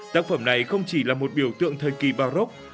tác phẩm này không chỉ là một biểu tượng thời kỳ baroque